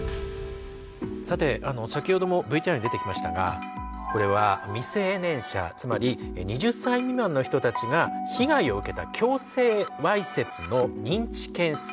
さて先ほどもＶＴＲに出てきましたがこれは未成年者つまり２０歳未満の人たちが被害を受けた強制わいせつの認知件数。